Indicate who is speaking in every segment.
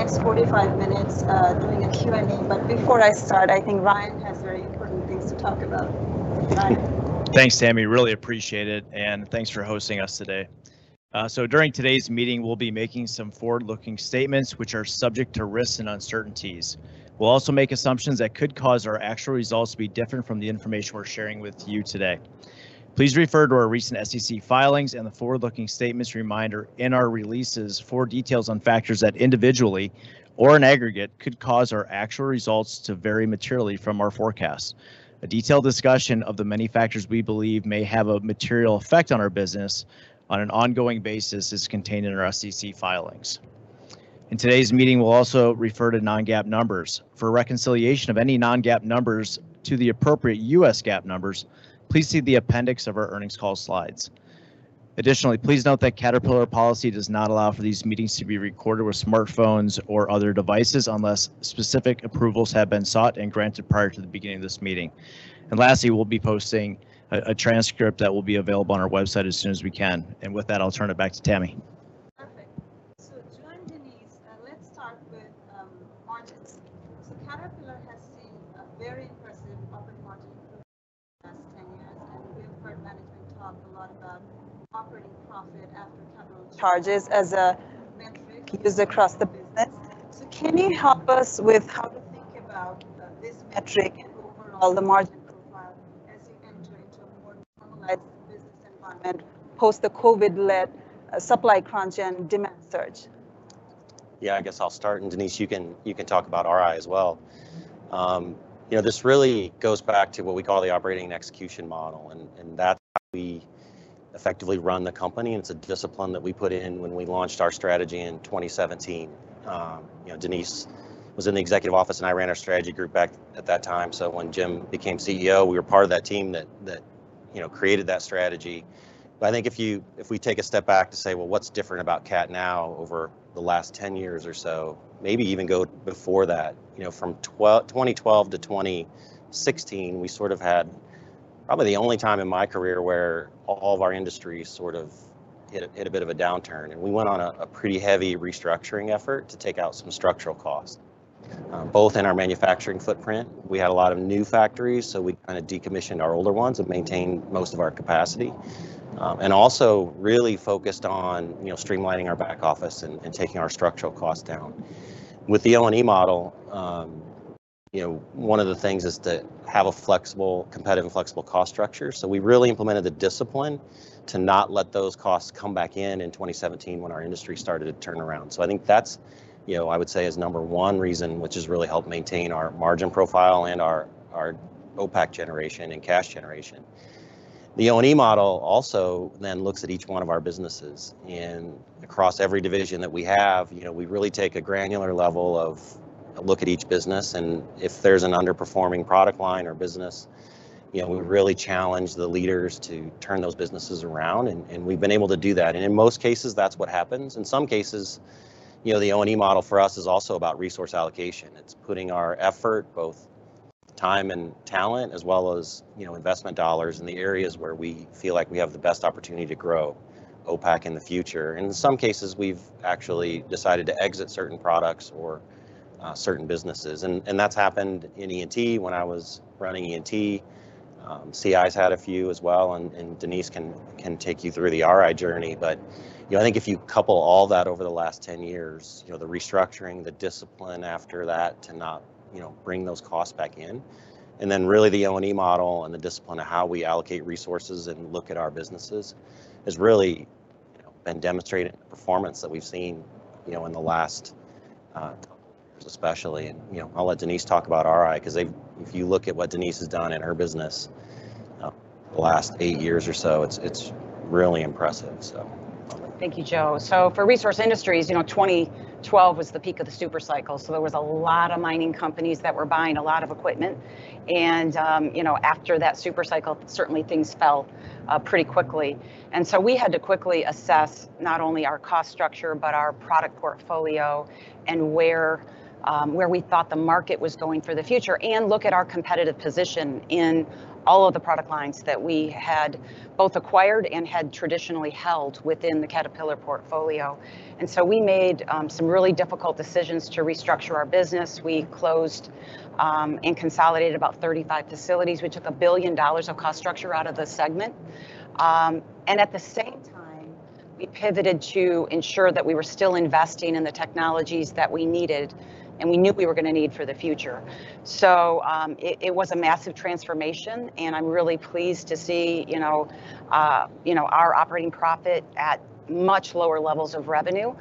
Speaker 1: Next 45 minutes, doing a Q&A. But before I start, I think Ryan has very important things to talk about. Ryan?
Speaker 2: Thanks, Tami. Really appreciate it, and thanks for hosting us today. So during today's meeting, we'll be making some forward-looking statements, which are subject to risks and uncertainties. We'll also make assumptions that could cause our actual results to be different from the information we're sharing with you today. Please refer to our recent SEC filings and the forward-looking statements reminder in our releases for details on factors that individually or in aggregate, could cause our actual results to vary materially from our forecasts. A detailed discussion of the many factors we believe may have a material effect on our business on an ongoing basis is contained in our SEC filings. In today's meeting, we'll also refer to non-GAAP numbers. For a reconciliation of any non-GAAP numbers to the appropriate U.S. GAAP numbers, please see the appendix of our earnings call slides. Additionally, please note that Caterpillar policy does not allow for these meetings to be recorded with smartphones or other devices, unless specific approvals have been sought and granted prior to the beginning of this meeting. And lastly, we'll be posting a transcript that will be available on our website as soon as we can. And with that, I'll turn it back to Tami.
Speaker 1: Perfect. So Joe and Denise, let's start with margins. So Caterpillar has seen a very impressive margin over the last 10 years, and we've heard management talk a lot about Operating Profit After Capital Charge as a metric used across the business. So can you help us with how to think about this metric and overall the margin profile as you enter into a more normalized business environment post the COVID-led supply crunch and demand surge?
Speaker 3: Yeah, I guess I'll start, and Denise, you can, you can talk about Resource Industries as well. You know, this really goes back to what we call the Operating & Execution Model, and that's how we effectively run the company, and it's a discipline that we put in when we launched our strategy in 2017. You know, Denise was in the executive office, and I ran our strategy group back at that time. So when Jim became CEO, we were part of that team that you know created that strategy. But I think if we take a step back to say, "Well, what's different about CAT now over the last 10 years or so?" Maybe even go before that. You know, from 2012-2016, we sort of had probably the only time in my career where all of our industries sort of hit a bit of a downturn, and we went on a pretty heavy restructuring effort to take out some structural costs. Both in our manufacturing footprint, we had a lot of new factories, so we kinda decommissioned our older ones and maintained most of our capacity. And also really focused on, you know, streamlining our back office and taking our structural costs down. With the O&E model, you know, one of the things is to have a flexible, competitive and flexible cost structure. So we really implemented the discipline to not let those costs come back in 2017, when our industry started to turn around. So I think that's, you know, I would say is number one reason, which has really helped maintain our margin profile and our OPACC generation and cash generation. The O&E model also then looks at each one of our businesses, and across every division that we have, you know, we really take a granular level of look at each business, and if there's an underperforming product line or business, you know, we really challenge the leaders to turn those businesses around, and we've been able to do that, and in most cases, that's what happens. In some cases, you know, the O&E model for us is also about resource allocation. It's putting our effort, both time and talent, as well as, you know, investment dollars in the areas where we feel like we have the best opportunity to grow OPACC in the future. And in some cases, we've actually decided to exit certain products or certain businesses. And that's happened in E&T when I was running E&T. CI's had a few as well, and Denise can take you through the RI journey. But you know, I think if you couple all that over the last 10 years, you know, the restructuring, the discipline after that to not you know, bring those costs back in, and then really the O&E model and the discipline of how we allocate resources and look at our businesses, has really you know, been demonstrated in the performance that we've seen you know, in the last couple of years especially. You know, I'll let Denise talk about RI, because they've, if you look at what Denise has done in her business, the last eight years or so, it's really impressive, so...
Speaker 4: Thank you, Joe. For Resource Industries, you know, 2012 was the peak of the supercycle, so there was a lot of mining companies that were buying a lot of equipment. You know, after that supercycle, certainly things fell pretty quickly. We had to quickly assess not only our cost structure, but our product portfolio, and where, where we thought the market was going for the future, and look at our competitive position in all of the product lines that we had both acquired and had traditionally held within the Caterpillar portfolio. We made some really difficult decisions to restructure our business. We closed and consolidated about 35 facilities. We took $1 billion of cost structure out of the segment. And at the same time, we pivoted to ensure that we were still investing in the technologies that we needed, and we knew we were gonna need for the future. So, it was a massive transformation, and I'm really pleased to see, you know, you know, our operating profit at much lower levels of revenue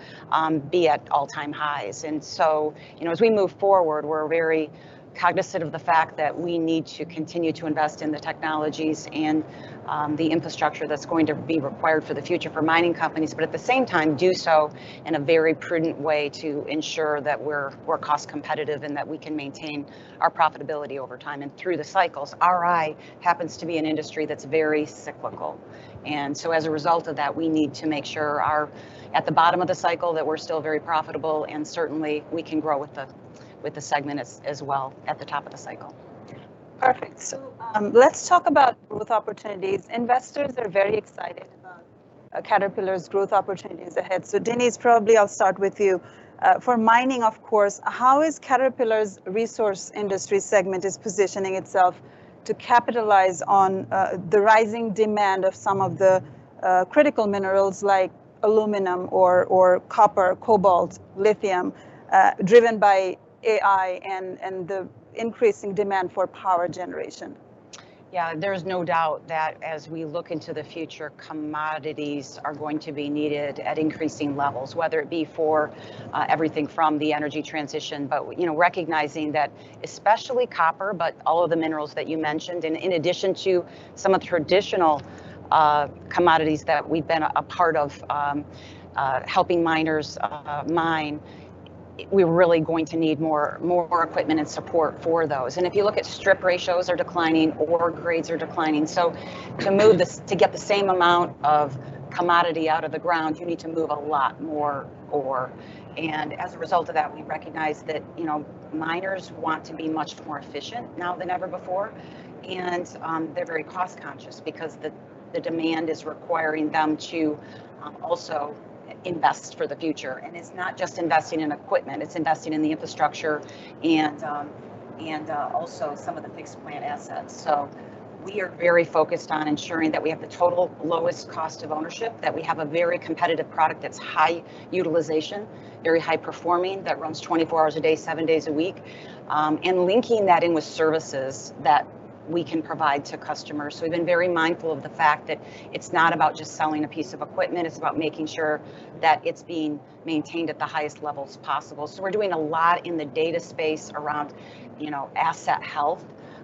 Speaker 4: be at all-time highs. And so, you know, as we move forward, we're very cognizant of the fact that we need to continue to invest in the technologies and the infrastructure that's going to be required for the future for mining companies. But at the same time, do so in a very prudent way to ensure that we're cost competitive, and that we can maintain our profitability over time and through the cycles. RI happens to be an industry that's very cyclical. And so as a result of that, we need to make sure at the bottom of the cycle that we're still very profitable, and certainly we can grow with the segment as well at the top of the cycle.
Speaker 1: Perfect. So, let's talk about growth opportunities. Investors are very excited with Caterpillar's growth opportunities ahead. So Denise, probably I'll start with you. For mining, of course, how is Caterpillar's Resource Industries segment positioning itself to capitalize on the rising demand of some of the critical minerals, like aluminum or copper, cobalt, lithium, driven by AI and the increasing demand for power generation?
Speaker 4: Yeah, there's no doubt that as we look into the future, commodities are going to be needed at increasing levels, whether it be for everything from the energy transition, but you know, recognizing that especially copper, but all of the minerals that you mentioned, and in addition to some of the traditional commodities that we've been a part of, helping miners mine, we're really going to need more equipment and support for those. And if you look at strip ratios are declining, ore grades are declining. So to get the same amount of commodity out of the ground, you need to move a lot more ore. And as a result of that, we recognize that, you know, miners want to be much more efficient now than ever before, and they're very cost conscious because the demand is requiring them to also invest for the future. And it's not just investing in equipment, it's investing in the infrastructure and also some of the fixed plant assets. So we are very focused on ensuring that we have the total lowest cost of ownership, that we have a very competitive product that's high utilization, very high performing, that runs 24 hours a day, 7 days a week, and linking that in with services that we can provide to customers. So we've been very mindful of the fact that it's not about just selling a piece of equipment, it's about making sure that it's being maintained at the highest levels possible. We're doing a lot in the data space around, you know, asset health,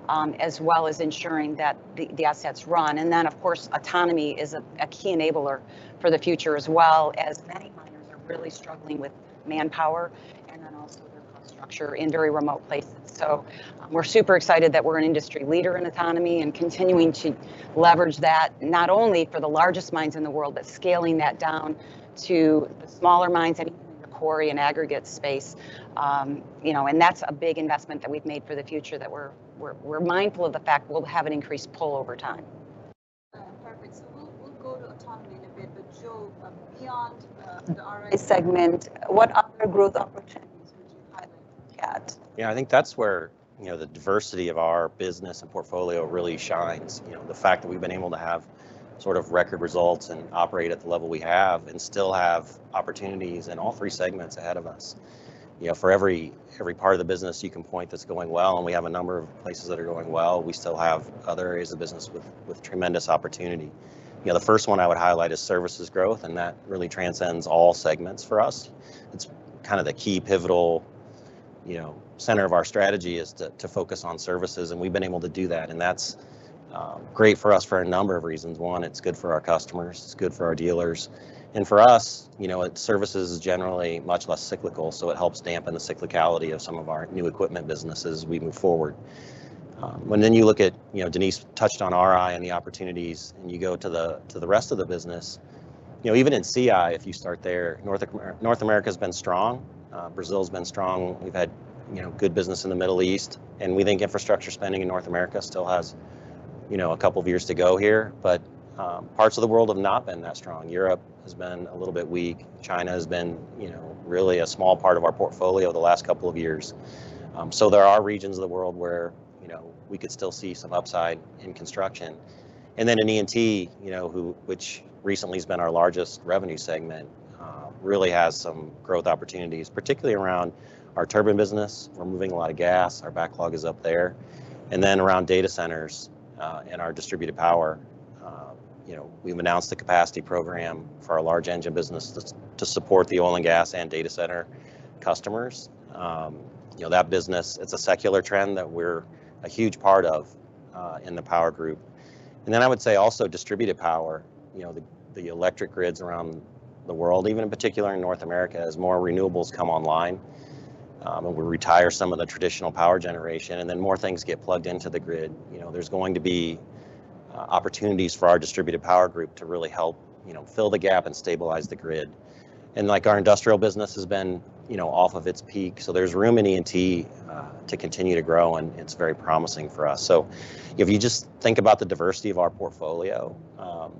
Speaker 4: as well as ensuring that the assets run. Then, of course, autonomy is a key enabler for the future, as well, as many miners are really struggling with manpower and then also infrastructure in very remote places. We're super excited that we're an industry leader in autonomy and continuing to leverage that, not only for the largest mines in the world, but scaling that down to the smaller mines and even the quarry and aggregate space. You know, that's a big investment that we've made for the future, that we're mindful of the fact we'll have an increased pull over time.
Speaker 1: Perfect. So we'll go to autonomy in a bit. But Joe, beyond the RI segment, what other growth opportunities would you highlight yet?
Speaker 3: Yeah, I think that's where, you know, the diversity of our business and portfolio really shines. You know, the fact that we've been able to have sort of record results and operate at the level we have, and still have opportunities in all three segments ahead of us. You know, for every part of the business, you can point that's going well, and we have a number of places that are going well. We still have other areas of business with tremendous opportunity. You know, the first one I would highlight is services growth, and that really transcends all segments for us. It's kind of the key pivotal, you know, center of our strategy is to focus on services, and we've been able to do that, and that's great for us for a number of reasons. One, it's good for our customers, it's good for our dealers, and for us, you know, services is generally much less cyclical, so it helps dampen the cyclicality of some of our new equipment businesses as we move forward. When then you look at, you know, Denise touched on RI and the opportunities, and you go to the rest of the business, you know, even in Construction Industries, if you start there, North America's been strong. Brazil's been strong. We've had, you know, good business in the Middle East, and we think infrastructure spending in North America still has, you know, a couple of years to go here, but parts of the world have not been that strong. Europe has been a little bit weak. China has been, you know, really a small part of our portfolio the last couple of years. So there are regions of the world where, you know, we could still see some upside in construction. And then in E&T, you know, which recently has been our largest revenue segment, really has some growth opportunities, particularly around our turbine business. We're moving a lot of gas. Our backlog is up there. And then around data centers, and our distributed power, you know, we've announced a capacity program for our large engine business to support the oil and gas and data center customers. You know, that business, it's a secular trend that we're a huge part of, in the power group. And then I would say also distributed power. You know, the electric grids around the world, even in particular in North America, as more renewables come online, and we retire some of the traditional power generation, and then more things get plugged into the grid, you know, there's going to be opportunities for our distributed power group to really help, you know, fill the gap and stabilize the grid. And, like, our industrial business has been, you know, off of its peak, so there's room in E&T to continue to grow, and it's very promising for us. So if you just think about the diversity of our portfolio,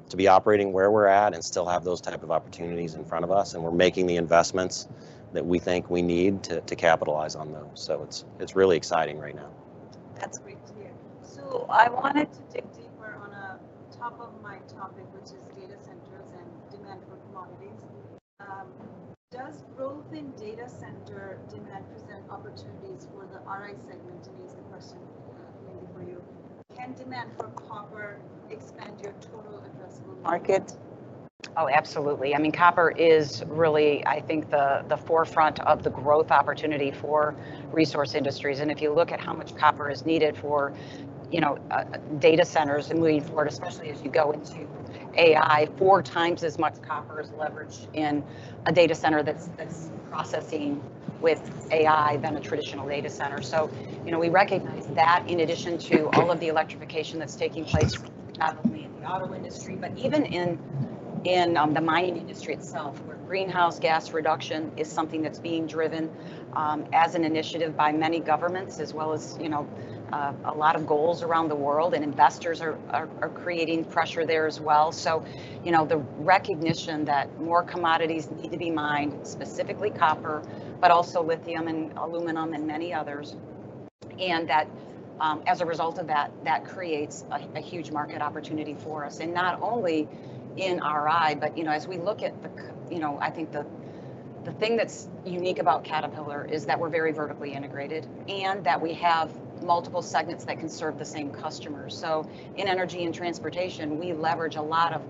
Speaker 3: to be operating where we're at and still have those type of opportunities in front of us, and we're making the investments that we think we need to, to capitalize on those. So it's really exciting right now.
Speaker 1: That's great to hear. So I wanted to dig deeper on top of my topic, which is data centers and demand for commodities. Does growth in data center demand present opportunities for the RI segment? Denise, the question maybe for you. Can demand for copper expand your total addressable market?
Speaker 4: Oh, absolutely. I mean, copper is really, I think, the forefront of the growth opportunity for resource industries. And if you look at how much copper is needed for, you know, data centers and moving forward, especially as you go into AI, four times as much copper is leveraged in a data center that's processing with AI than a traditional data center. So, you know, we recognize that in addition to all of the electrification that's taking place, not only in the auto industry, but even in the mining industry itself, where greenhouse gas reduction is something that's being driven as an initiative by many governments as well as, you know, a lot of goals around the world, and investors are creating pressure there as well. So, you know, the recognition that more commodities need to be mined, specifically copper, but also lithium and aluminum and many others and that, as a result of that, that creates a huge market opportunity for us, and not only in RI, but, you know, as we look at the CI you know, I think the thing that's unique about Caterpillar is that we're very vertically integrated, and that we have multiple segments that can serve the same customers. So in Energy & Transportation, we leverage a lot of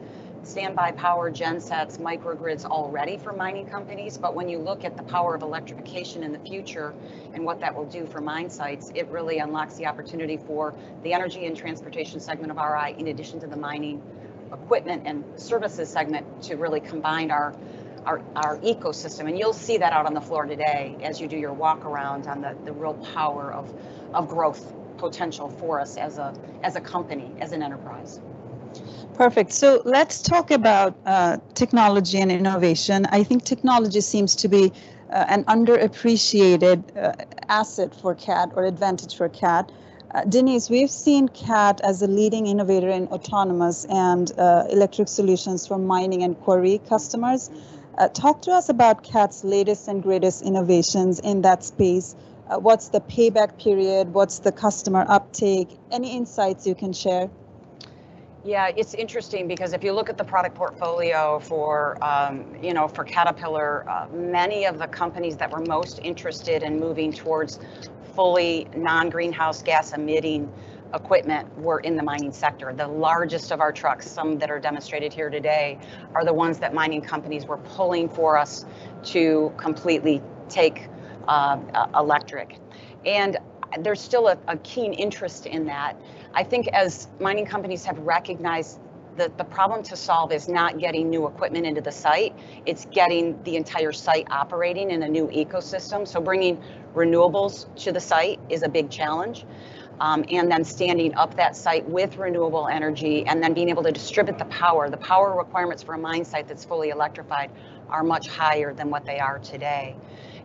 Speaker 4: standby power gensets, microgrids already for mining companies. But when you look at the power of electrification in the future, and what that will do for mine sites, it really unlocks the opportunity for the Energy & Transportation segment and RI, in addition to the mining equipment and services segment, to really combine our ecosystem. You'll see that out on the floor today as you do your walk around on the real power of growth potential for us as a company, as an enterprise.
Speaker 1: Perfect. So let's talk about technology and innovation. I think technology seems to be an underappreciated asset for CAT, or advantage for CAT. Denise, we've seen CAT as a leading innovator in autonomous and electric solutions for mining and quarry customers. Talk to us about CAT's latest and greatest innovations in that space. What's the payback period? What's the customer uptake? Any insights you can share?
Speaker 4: Yeah, it's interesting, because if you look at the product portfolio for, you know, for Caterpillar, many of the companies that were most interested in moving towards fully non-greenhouse gas emitting equipment were in the mining sector. The largest of our trucks, some that are demonstrated here today, are the ones that mining companies were pulling for us to completely take electric. And there's still a keen interest in that. I think as mining companies have recognized that the problem to solve is not getting new equipment into the site, it's getting the entire site operating in a new ecosystem. So bringing renewables to the site is a big challenge. And then standing up that site with renewable energy, and then being able to distribute the power. The power requirements for a mine site that's fully electrified are much higher than what they are today,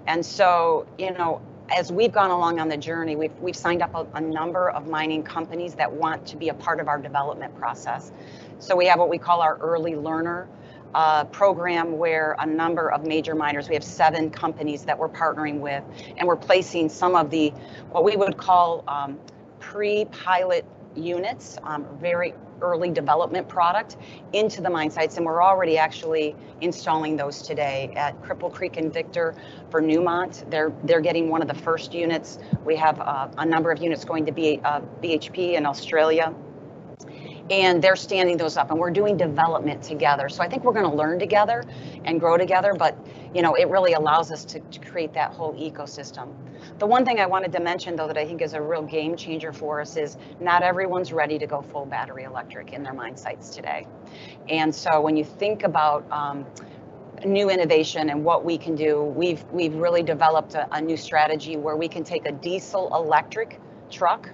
Speaker 4: and so, you know, as we've gone along on the journey, we've signed up a number of mining companies that want to be a part of our development process, so we have what we call our early learner program, where a number of major miners, we have seven companies that we're partnering with, and we're placing some of the, what we would call, pre-pilot units, very early development product into the mine sites, and we're already actually installing those today at Cripple Creek and Victor for Newmont. They're getting one of the first units. We have a number of units going to BHP in Australia, and they're standing those up, and we're doing development together. So I think we're gonna learn together and grow together. But, you know, it really allows us to to create that whole ecosystem. The one thing I wanted to mention, though, that I think is a real game changer for us is not everyone's ready to go full battery electric in their mine sites today. And so when you think about new innovation and what we can do, we've really developed a new strategy where we can take a diesel-electric truck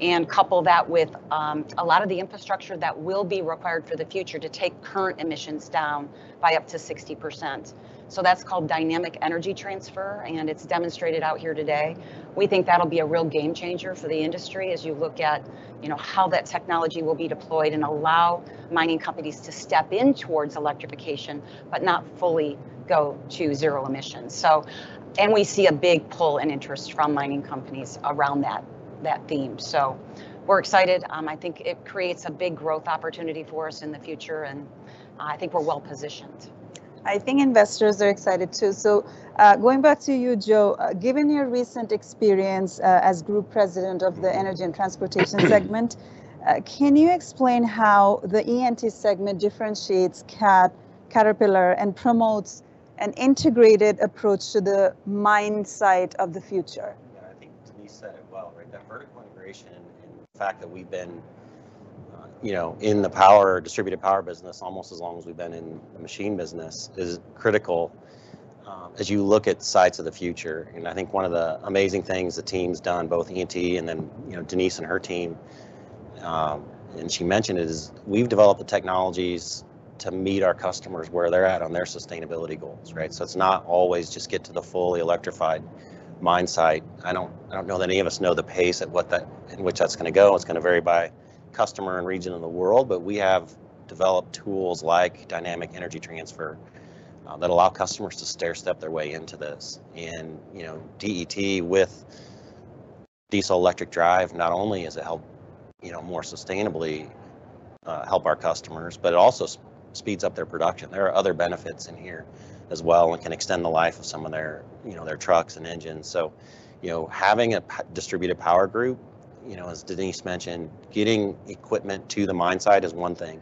Speaker 4: and couple that with a lot of the infrastructure that will be required for the future to take current emissions down by up to 60%. So that's called Dynamic Energy Transfer, and it's demonstrated out here today. We think that'll be a real game changer for the industry as you look at, you know, how that technology will be deployed, and allow mining companies to step in towards electrification, but not fully go to zero emissions. And we see a big pull in interest from mining companies around that theme, so we're excited. I think it creates a big growth opportunity for us in the future, and I think we're well positioned.
Speaker 1: I think investors are excited, too. Going back to you, Joe, given your recent experience as group president of the Energy & Transportation segment, can you explain how the E&T segment differentiates CAT, Caterpillar, and promotes an integrated approach to the mine site of the future?
Speaker 3: Yeah, I think Denise said it well, right? That vertical integration and the fact that we've been, you know, in the power, distributed power business almost as long as we've been in the machine business is critical, as you look at sites of the future, and I think one of the amazing things the team's done, both E&T and then, you know, Denise and her team, and she mentioned, is we've developed the technologies to meet our customers where they're at on their sustainability goals, right, so it's not always just get to the fully electrified mine site. I don't know that any of us know the pace at which that's gonna go. It's gonna vary by customer and region of the world, but we have developed tools like Dynamic Energy Transfer that allow customers to stairstep their way into this. You know, DET with diesel-electric drive not only does it help more sustainably help our customers, but it also speeds up their production. There are other benefits in here as well, and can extend the life of some of their, you know, their trucks and engines. So, you know, having a distributed power group, you know, as Denise mentioned, getting equipment to the mine site is one thing.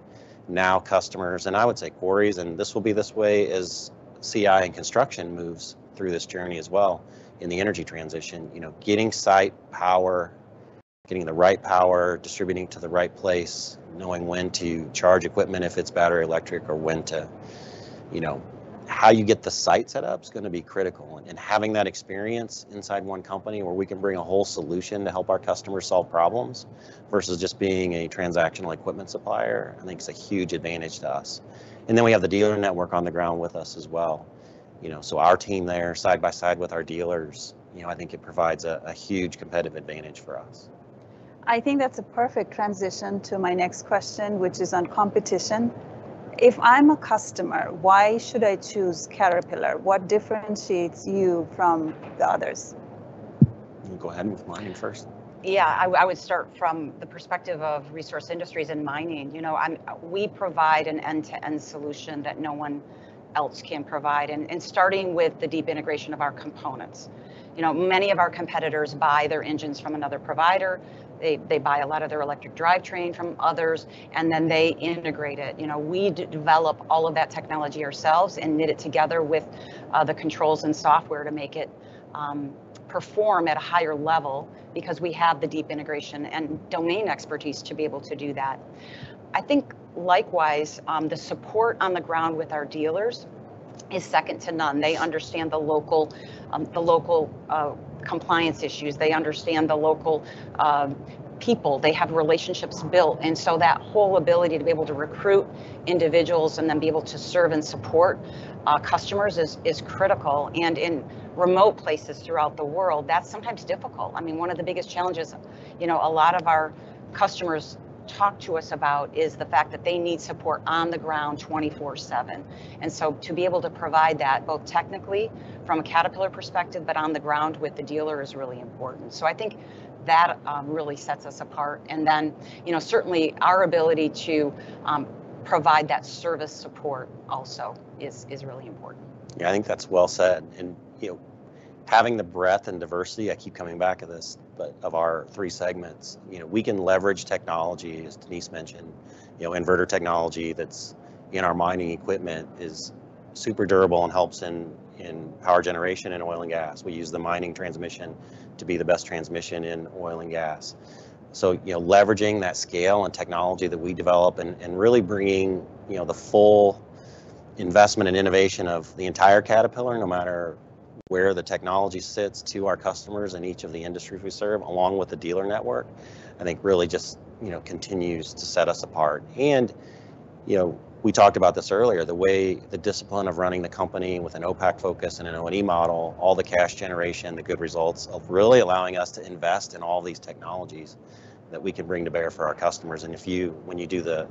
Speaker 3: Now, customers, and I would say quarries, and this will be this way as CI and construction moves through this journey as well in the energy transition, you know, getting site power, getting the right power, distributing to the right place, knowing when to charge equipment, if it's battery, electric, or when to... You know, how you get the site set up is gonna be critical, and having that experience inside one company where we can bring a whole solution to help our customers solve problems, versus just being a transactional equipment supplier, I think is a huge advantage to us. And then we have the dealer network on the ground with us as well. You know, so our team there, side by side with our dealers, you know, I think it provides a huge competitive advantage for us.
Speaker 1: I think that's a perfect transition to my next question, which is on competition. If I'm a customer, why should I choose Caterpillar? What differentiates you from the others?
Speaker 3: You go ahead with mining first.
Speaker 4: Yeah, I would start from the perspective of resource industries and mining. You know, we provide an end-to-end solution that no one else can provide, and starting with the deep integration of our components. You know, many of our competitors buy their engines from another provider. They buy a lot of their electric drivetrain from others, and then they integrate it. You know, we develop all of that technology ourselves and knit it together with the controls and software to make it perform at a higher level, because we have the deep integration and domain expertise to be able to do that. I think likewise, the support on the ground with our dealers is second to none. They understand the local compliance issues. They understand the local people. They have relationships built, and so that whole ability to be able to recruit individuals and then be able to serve and support customers is critical. And in remote places throughout the world, that's sometimes difficult. I mean, one of the biggest challenges, you know, a lot of our customers talk to us about is the fact that they need support on the ground 24/7. And so to be able to provide that, both technically from a Caterpillar perspective, but on the ground with the dealer, is really important. So I think that really sets us apart. And then, you know, certainly our ability to provide that service support also is really important.
Speaker 3: Yeah, I think that's well said. And, you know, having the breadth and diversity, I keep coming back to this, but of our three segments, you know, we can leverage technology, as Denise mentioned. You know, inverter technology that's in our mining equipment is super durable and helps in power generation and oil and gas. We use the mining transmission to be the best transmission in oil and gas. So, you know, leveraging that scale and technology that we develop and really bringing, you know, the full investment and innovation of the entire Caterpillar, no matter where the technology sits, to our customers in each of the industries we serve, along with the dealer network, I think really just, you know, continues to set us apart. And, you know, we talked about this earlier, the way the discipline of running the company with an OPACC focus and an O&E model, all the cash generation, the good results, of really allowing us to invest in all these technologies that we can bring to bear for our customers. And if you, when you do the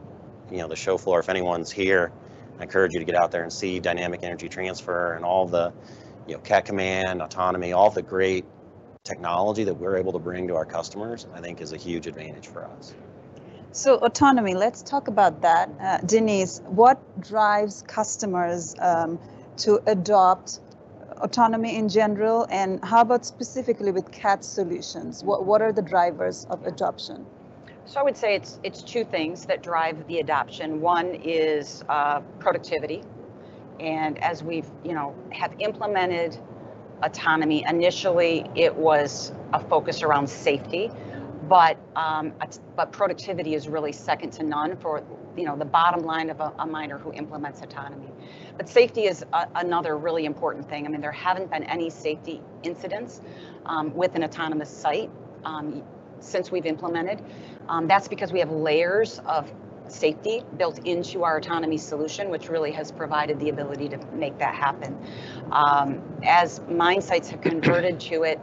Speaker 3: the show floor, if anyone's here, I encourage you to get out there and see Dynamic Energy Transfer and all the, you know, CAT Command, autonomy, all the great technology that we're able to bring to our customers, I think is a huge advantage for us.
Speaker 1: Autonomy, let's talk about that. Denise, what drives customers to adopt autonomy in general, and how about specifically with CAT solutions? What are the drivers of adoption?
Speaker 4: So I would say it's two things that drive the adoption. One is, productivity, and as we've, you know, have implemented autonomy, initially it was a focus around safety. But productivity is really second to none for, you know, the bottom line of a miner who implements autonomy. But safety is another really important thing. I mean, there haven't been any safety incidents with an autonomous site since we've implemented. That's because we have layers of safety built into our autonomy solution, which really has provided the ability to make that happen. As mine sites have converted to it,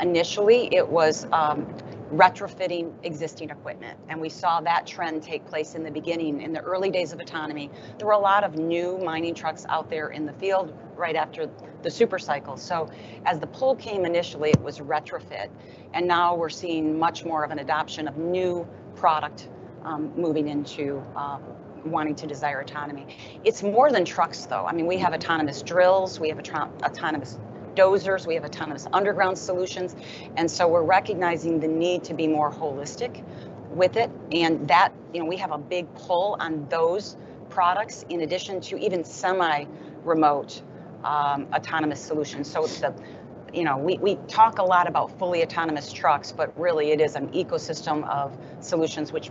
Speaker 4: initially it was retrofitting existing equipment, and we saw that trend take place in the beginning. In the early days of autonomy, there were a lot of new mining trucks out there in the field right after the supercycle. So as the pull came, initially it was retrofit, and now we're seeing much more of an adoption of new product, moving into, wanting to desire autonomy. It's more than trucks, though. I mean, we have autonomous drills, we have autonomous dozers, we have autonomous underground solutions, and so we're recognizing the need to be more holistic with it. And that, you know, we have a big pull on those products, in addition to even semi-remote, autonomous solutions. So the, you know, we talk a lot about fully autonomous trucks, but really it is an ecosystem of solutions which,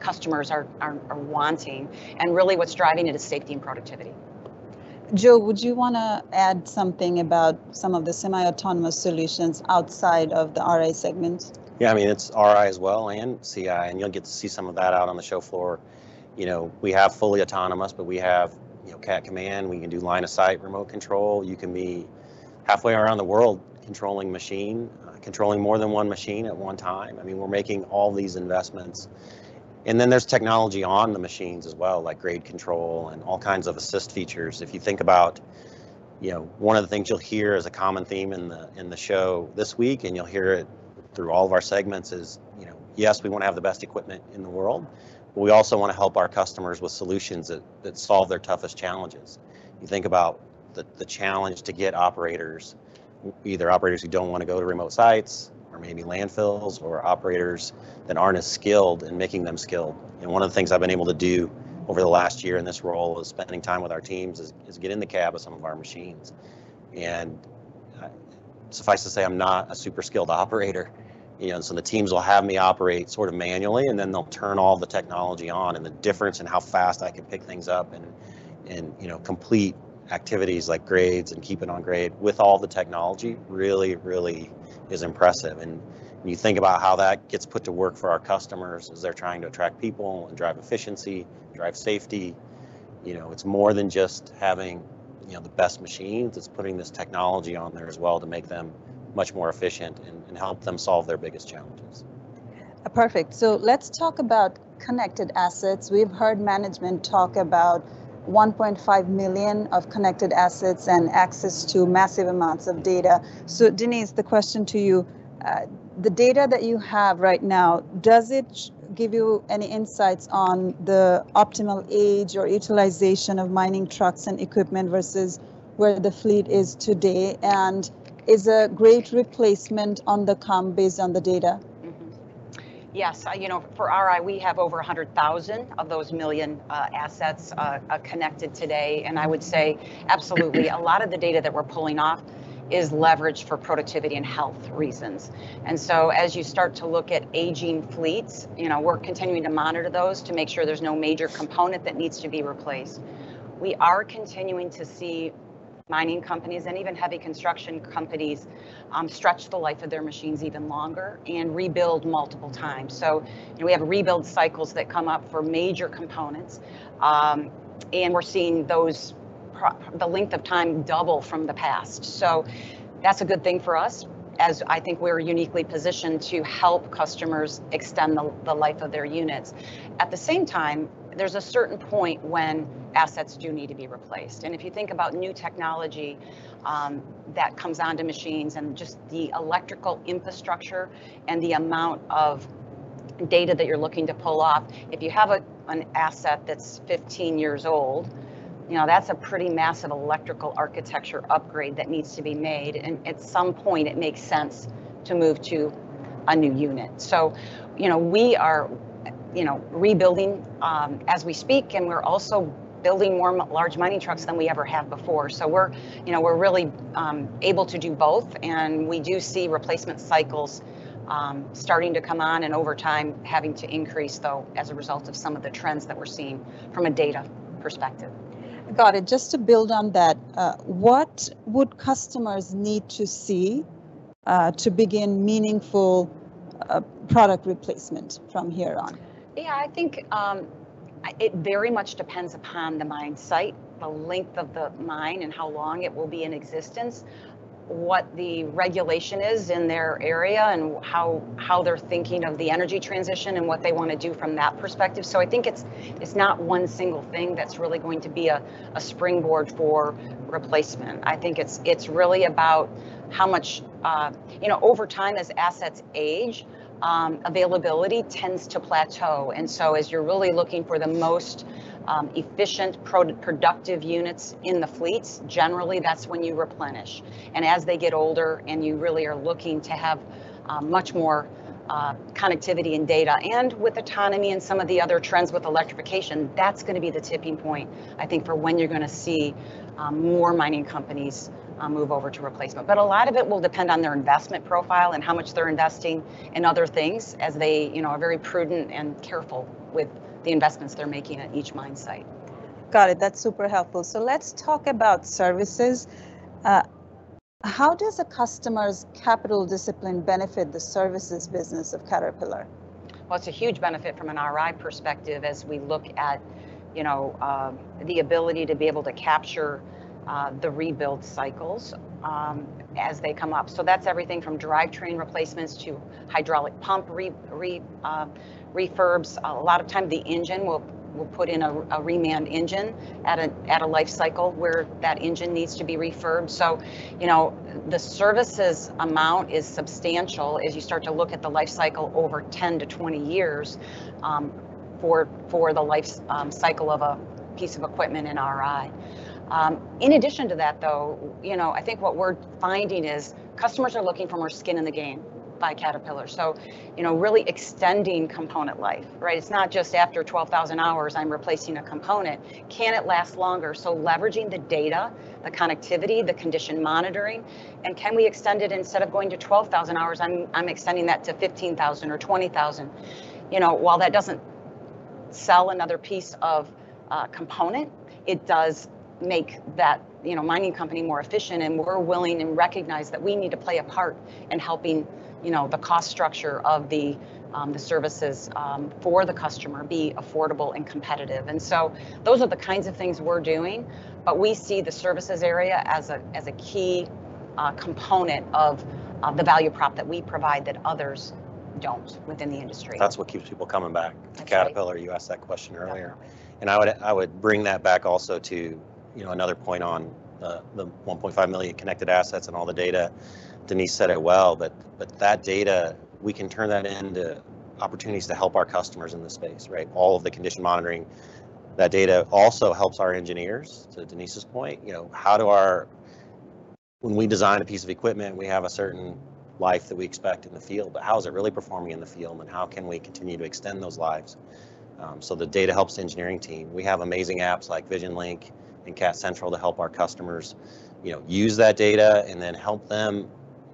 Speaker 4: customers are wanting. And really what's driving it is safety and productivity.
Speaker 1: Joe, would you wanna add something about some of the semi-autonomous solutions outside of the RI segment?
Speaker 3: Yeah, I mean, it's RI as well, and CI, and you'll get to see some of that out on the show floor. You know, we have fully autonomous, but we have, you know, CAT Command. We can do line of sight, remote control. You can be halfway around the world controlling machine, controlling more than one machine at one time. I mean, we're making all these investments. And then there's technology on the machines as well, like grade control and all kinds of assist features. If you think about, you know, one of the things you'll hear as a common theme in the show this week, and you'll hear it through all of our segments, is, you know, yes, we wanna have the best equipment in the world, but we also wanna help our customers with solutions that solve their toughest challenges. You think about the challenge to get operators, either operators who don't wanna go to remote sites or maybe landfills, or operators that aren't as skilled, and making them skilled, and one of the things I've been able to do over the last year in this role is spending time with our teams, is get in the cab of some of our machines, and suffice to say, I'm not a super skilled operator, you know, and so the teams will have me operate sort of manually, and then they'll turn all the technology on, and the difference in how fast I can pick things up and, you know, complete activities like grades and keeping on grade with all the technology, really, really is impressive. And when you think about how that gets put to work for our customers as they're trying to attract people and drive efficiency, drive safety, you know, it's more than just having, you know, the best machines. It's putting this technology on there as well to make them much more efficient and help them solve their biggest challenges.
Speaker 1: Perfect, so let's talk about connected assets. We've heard management talk about 1.5 million of connected assets and access to massive amounts of data. So Denise, the question to you, the data that you have right now, does it give you any insights on the optimal age or utilization of mining trucks and equipment versus where the fleet is today? And is a great replacement on the come based on the data?
Speaker 4: Yes. You know, for RI, we have over 100,000 of those million assets connected today, and I would say absolutely. A lot of the data that we're pulling off is leveraged for productivity and health reasons, and so as you start to look at aging fleets, you know, we're continuing to monitor those to make sure there's no major component that needs to be replaced. We are continuing to see mining companies and even heavy construction companies stretch the life of their machines even longer and rebuild multiple times, so you know, we have rebuild cycles that come up for major components, and we're seeing the length of time double from the past, so that's a good thing for us, as I think we're uniquely positioned to help customers extend the life of their units. At the same time, there's a certain point when assets do need to be replaced, and if you think about new technology, that comes onto machines and just the electrical infrastructure and the amount of data that you're looking to pull off, if you have an asset that's 15 years old, you know, that's a pretty massive electrical architecture upgrade that needs to be made, and at some point it makes sense to move to a new unit. So, you know, we are, you know, rebuilding, as we speak, and we're also building more large mining trucks than we ever have before. So we're, you know, we're really able to do both, and we do see replacement cycles starting to come on, and over time, having to increase, though, as a result of some of the trends that we're seeing from a data perspective.
Speaker 1: Got it. Just to build on that, what would customers need to see to begin meaningful product replacement from here on?
Speaker 4: Yeah, I think it very much depends upon the mine site, the length of the mine, and how long it will be in existence, what the regulation is in their area, and how they're thinking of the energy transition and what they wanna do from that perspective. So I think it's not one single thing that's really going to be a springboard for replacement. I think it's really about how much, you know, over time, as assets age, availability tends to plateau, and so as you're really looking for the most efficient, productive units in the fleets, generally that's when you replenish. And as they get older and you really are looking to have much more connectivity and data, and with autonomy and some of the other trends with electrification, that's gonna be the tipping point, I think, for when you're gonna see more mining companies move over to replacement. But a lot of it will depend on their investment profile and how much they're investing in other things, as they, you know, are very prudent and careful with the investments they're making at each mine site.
Speaker 1: Got it. That's super helpful. So let's talk about services. How does a customer's capital discipline benefit the services business of Caterpillar?
Speaker 4: It's a huge benefit from an RI perspective as we look at, you know, the ability to be able to capture, the rebuild cycles, as they come up. So that's everything from drivetrain replacements to hydraulic pump refurbs. A lot of time, the engine we'll put in a Reman engine at a life cycle where that engine needs to be refurbed. So, you know, the services amount is substantial as you start to look at the life cycle over 10 to 20 years, for the life cycle of a piece of equipment in RI. In addition to that, though, you know, I think what we're finding is customers are looking for more skin in the game by Caterpillar, so, you know, really extending component life, right? It's not just after 12,000 hours. I'm replacing a component. Can it last longer? So leveraging the data, the connectivity, the condition monitoring, and can we extend it? Instead of going to 12,000 hours, I'm extending that to 15,000 or 20,000. You know, while that doesn't sell another piece of component, it does make that, you know, mining company more efficient, and we're willing and recognize that we need to play a part in helping, you know, the cost structure of the services for the customer be affordable and competitive. And so those are the kinds of things we're doing, but we see the services area as a key component of the value prop that we provide that others don't within the industry.
Speaker 3: That's what keeps people coming back-
Speaker 4: Exactly
Speaker 3: To Caterpillar. You asked that question earlier.
Speaker 4: Exactly.
Speaker 3: I would bring that back also to, you know, another point on the 1.5 million connected assets and all the data. Denise said it well, but that data, we can turn that into opportunities to help our customers in this space, right? All of the condition monitoring, that data also helps our engineers. To Denise's point, you know, when we design a piece of equipment, we have a certain life that we expect in the field, but how is it really performing in the field, and how can we continue to extend those lives? So the data helps the engineering team. We have amazing apps like VisionLink and CAT Central to help our customers, you know, use that data and then help them,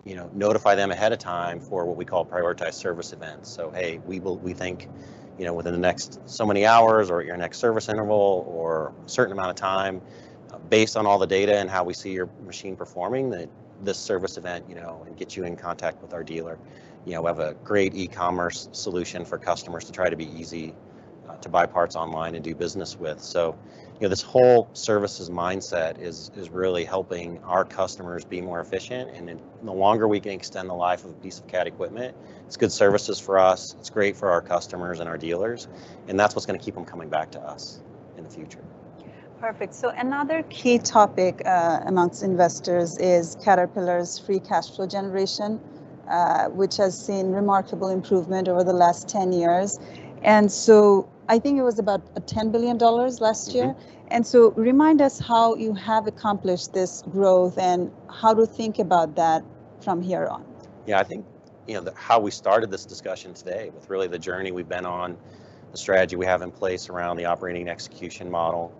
Speaker 3: you know, notify them ahead of time for what we call prioritized service events. Hey, we think, you know, within the next so many hours or your next service interval or a certain amount of time, based on all the data and how we see your machine performing, that this service event, you know, and get you in contact with our dealer. You know, we have a great e-commerce solution for customers to try to be easy to buy parts online and do business with. So, you know, this whole services mindset is really helping our customers be more efficient, and the longer we can extend the life of a piece of CAT equipment, it's good services for us, it's great for our customers and our dealers, and that's what's gonna keep them coming back to us in the future.
Speaker 1: Perfect. So another key topic amongst investors is Caterpillar's free cash flow generation, which has seen remarkable improvement over the last 10 years. And so I think it was about $10 billion last year.
Speaker 3: Mm-hmm.
Speaker 1: And so, remind us how you have accomplished this growth, and how to think about that from here on.
Speaker 3: Yeah, I think, you know, how we started this discussion today, with really the journey we've been on, the strategy we have in place around the Operating & Execution Model,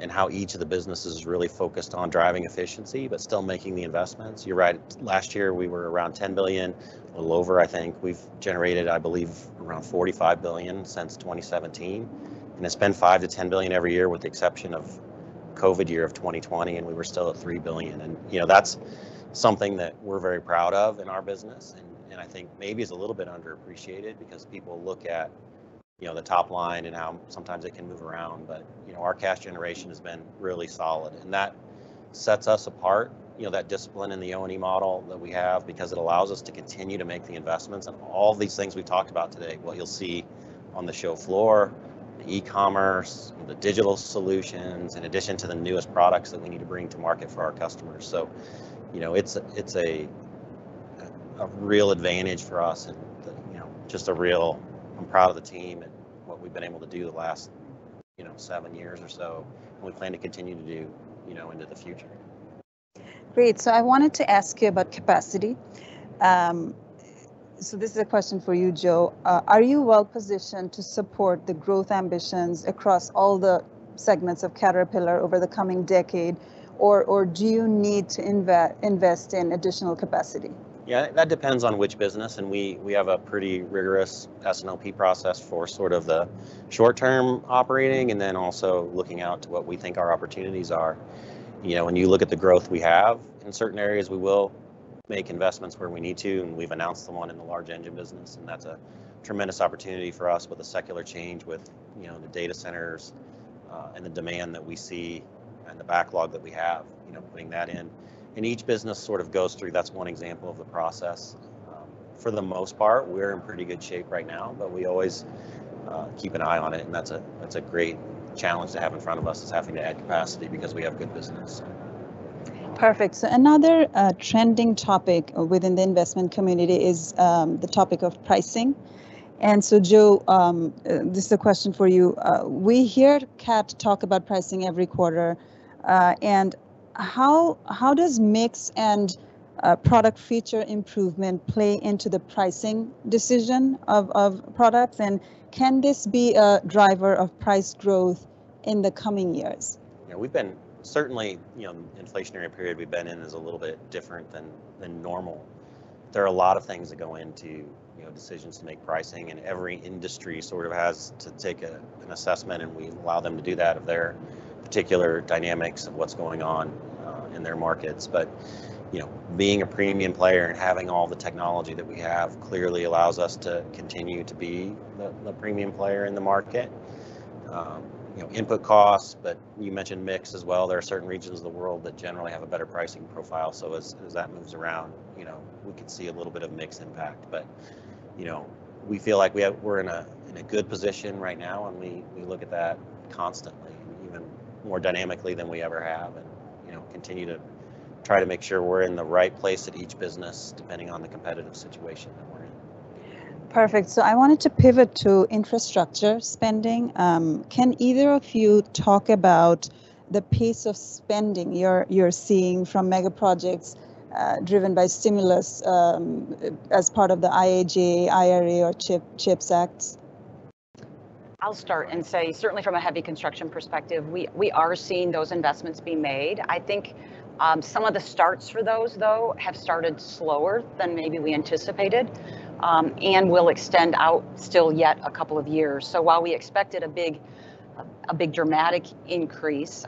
Speaker 3: and how each of the businesses is really focused on driving efficiency, but still making the investments. You're right, last year we were around $10 billion, a little over, I think. We've generated, I believe, around $45 billion since 2017, and it's been $5 billion-$10 billion every year, with the exception of COVID year of 2020, and we were still at $3 billion. You know, that's something that we're very proud of in our business, and I think maybe is a little bit underappreciated because people look at, you know, the top line and how sometimes it can move around. You know, our cash generation has been really solid, and that sets us apart. You know, that discipline in the O&E model that we have, because it allows us to continue to make the investments in all these things we've talked about today. What you'll see on the show floor, the e-commerce, the digital solutions, in addition to the newest products that we need to bring to market for our customers. So, you know, it's a real advantage for us and I'm proud of the team and what we've been able to do the last, you know, seven years or so, and we plan to continue to do, you know, into the future.
Speaker 1: Great. So I wanted to ask you about capacity. So this is a question for you, Joe. Are you well positioned to support the growth ambitions across all the segments of Caterpillar over the coming decade? Or do you need to invest in additional capacity?
Speaker 3: Yeah, that depends on which business, and we have a pretty rigorous S&OP process for sort of the short-term operating, and then also looking out to what we think our opportunities are. You know, when you look at the growth we have in certain areas, we will make investments where we need to, and we've announced some in the large engine business, and that's a tremendous opportunity for us with a secular change with, you know, the data centers, and the demand that we see and the backlog that we have, you know, putting that in. And each business sort of goes through, that's one example of the process. For the most part, we're in pretty good shape right now, but we always keep an eye on it, and that's a great challenge to have in front of us, is having to add capacity because we have good business.
Speaker 1: Perfect. So another trending topic within the investment community is the topic of pricing. And so, Joe, this is a question for you. We hear CAT talk about pricing every quarter, and how does mix and product feature improvement play into the pricing decision of products? And can this be a driver of price growth in the coming years?
Speaker 3: Yeah, we've been certainly, you know, the inflationary period we've been in is a little bit different than normal. There are a lot of things that go into, you know, decisions to make pricing, and every industry sort of has to take an assessment, and we allow them to do that of their particular dynamics of what's going on in their markets. But, you know, being a premium player and having all the technology that we have, clearly allows us to continue to be the premium player in the market. You know, input costs, but you mentioned mix as well. There are certain regions of the world that generally have a better pricing profile. So as that moves around, you know, we could see a little bit of mix impact. But, you know, we feel like we're in a good position right now, and we look at that constantly, and even more dynamically than we ever have, and you know, continue to try to make sure we're in the right place at each business, depending on the competitive situation that we're in.
Speaker 1: Perfect. So I wanted to pivot to infrastructure spending. Can either of you talk about the pace of spending you're seeing from mega projects, driven by stimulus, as part of the IIJA, IRA, or CHIPS Acts?
Speaker 4: I'll start and say, certainly from a heavy construction perspective, we are seeing those investments being made. I think some of the starts for those, though, have started slower than maybe we anticipated, and will extend out still yet a couple of years. So while we expected a big dramatic increase,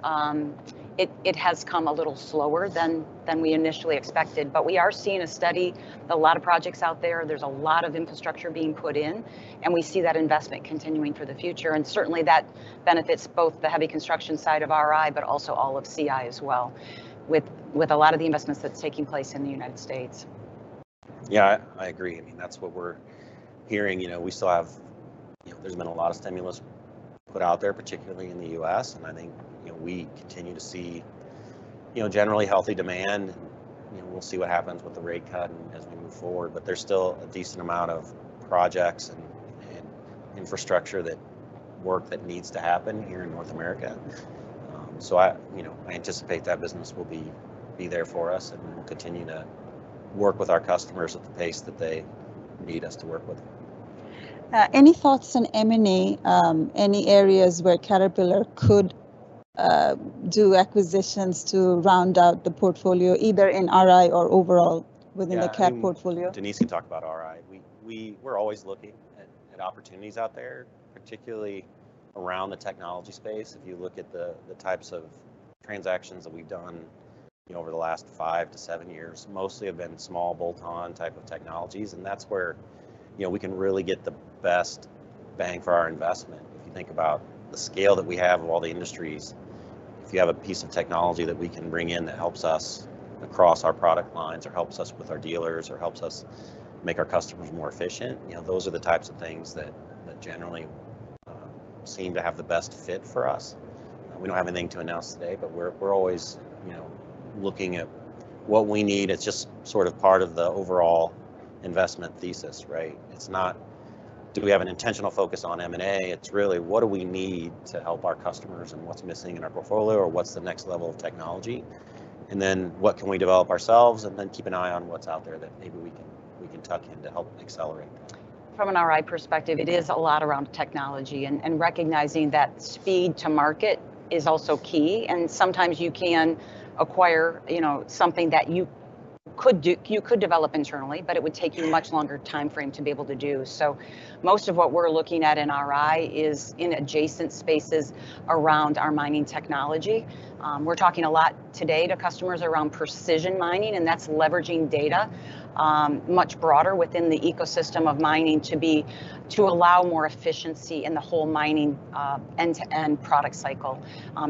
Speaker 4: it has come a little slower than we initially expected. But we are seeing a steady lot of projects out there. There's a lot of infrastructure being put in, and we see that investment continuing for the future, and certainly that benefits both the heavy construction side of RI, but also all of CI as well, with a lot of the investments that's taking place in the United States.
Speaker 3: Yeah, I agree. I mean, that's what we're hearing. You know, there's been a lot of stimulus put out there, particularly in the U.S., and I think, you know, we continue to see, you know, generally healthy demand. You know, we'll see what happens with the rate cut and as we move forward, but there's still a decent amount of projects and infrastructure work that needs to happen here in North America. So, you know, I anticipate that business will be there for us, and we'll continue to work with our customers at the pace that they need us to work with.
Speaker 1: Any thoughts on M&A? Any areas where Caterpillar could do acquisitions to round out the portfolio, either in RI or overall within the CAT portfolio?
Speaker 3: Yeah, Denise can talk about RI. We're always looking at opportunities out there, particularly around the technology space, if you look at the types of transactions that we've done, you know, over the last 5-7 years, mostly have been small bolt-on type of technologies, and that's where, you know, we can really get the best bang for our investment. If you think about the scale that we have of all the industries, if you have a piece of technology that we can bring in that helps us across our product lines, or helps us with our dealers, or helps us make our customers more efficient, you know, those are the types of things that generally seem to have the best fit for us. We don't have anything to announce today, but we're always, you know, looking at what we need. It's just sort of part of the overall investment thesis, right? It's not, do we have an intentional focus on M&A? It's really, what do we need to help our customers, and what's missing in our portfolio, or what's the next level of technology? And then what can we develop ourselves? And then keep an eye on what's out there that maybe we can tuck in to help accelerate.
Speaker 4: From an RI perspective, it is a lot around technology, and recognizing that speed to market is also key. And sometimes you can acquire, you know, something that you could develop internally, but it would take you a much longer timeframe to be able to do. So, most of what we're looking at in RI is in adjacent spaces around our mining technology. We're talking a lot today to customers around precision mining, and that's leveraging data much broader within the ecosystem of mining to allow more efficiency in the whole mining end-to-end product cycle,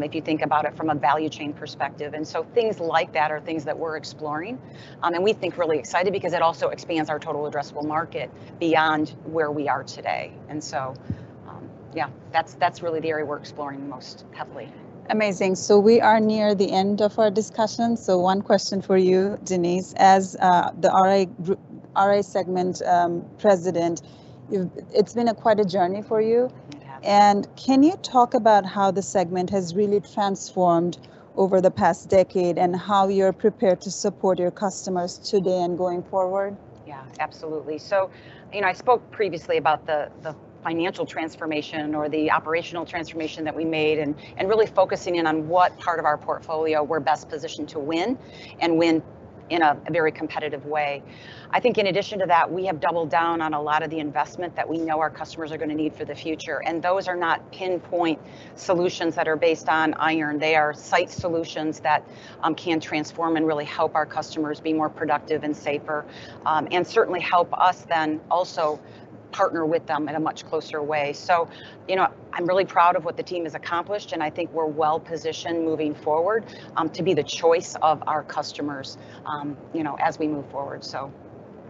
Speaker 4: if you think about it from a value chain perspective. And so things like that are things that we're exploring, and we think really excited, because it also expands our total addressable market beyond where we are today. Yeah, that's, that's really the area we're exploring the most heavily.
Speaker 1: Amazing. So we are near the end of our discussion. So one question for you, Denise. As the RI segment president, it's been quite a journey for you.
Speaker 4: It has.
Speaker 1: Can you talk about how the segment has really transformed over the past decade, and how you're prepared to support your customers today and going forward?
Speaker 4: Yeah, absolutely. So, you know, I spoke previously about the financial transformation or the operational transformation that we made, and really focusing in on what part of our portfolio we're best positioned to win, and win in a very competitive way. I think in addition to that, we have doubled down on a lot of the investment that we know our customers are gonna need for the future, and those are not pinpoint solutions that are based on iron. They are site solutions that can transform and really help our customers be more productive and safer. And certainly help us then also partner with them in a much closer way. So, you know, I'm really proud of what the team has accomplished, and I think we're well-positioned moving forward to be the choice of our customers, you know, as we move forward, so.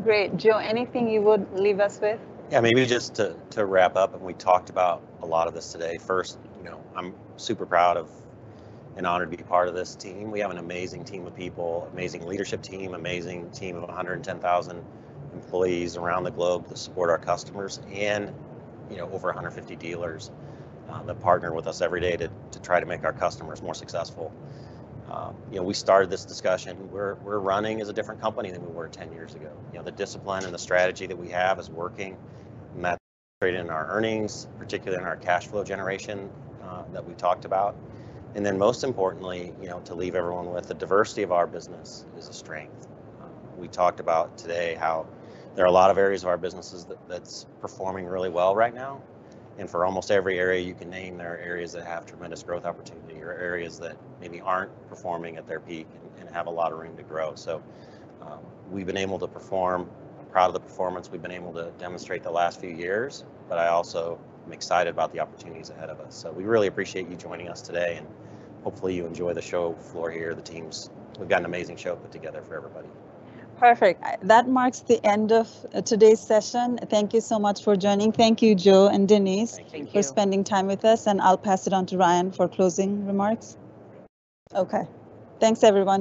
Speaker 1: Great. Joe, anything you would leave us with?
Speaker 3: Yeah, maybe just to wrap up, and we talked about a lot of this today. First, you know, I'm super proud of and honored to be a part of this team. We have an amazing team of people, amazing leadership team, amazing team of 110,000 employees around the globe that support our customers. And, over 150 dealers that partner with us every day to try to make our customers more successful. You know, we started this discussion; we're running as a different company than we were 10 years ago. The discipline and the strategy that we have is working, and that's translated in our earnings, particularly in our cash flow generation that we talked about. And then most importantly, you know, to leave everyone with the diversity of our business is a strength. We talked about today how there are a lot of areas of our businesses that, that's performing really well right now, and for almost every area you can name, there are areas that have tremendous growth opportunity or areas that maybe aren't performing at their peak and have a lot of room to grow. So, we've been able to perform. I'm proud of the performance we've been able to demonstrate the last few years, but I also am excited about the opportunities ahead of us. So we really appreciate you joining us today, and hopefully you enjoy the show floor here, the teams. We've got an amazing show put together for everybody.
Speaker 1: Perfect. That marks the end of today's session. Thank you so much for joining. Thank you, Joe and Denise-
Speaker 3: Thank you.
Speaker 4: Thank you.
Speaker 1: For spending time with us, and I'll pass it on to Ryan for closing remarks. Okay. Thanks, everyone.